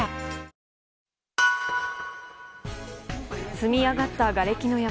積み上がったがれきの山。